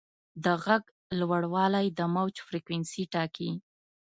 د غږ لوړوالی د موج فریکونسي ټاکي.